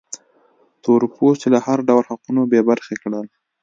تور پوستي له هر ډول حقونو بې برخې کړل.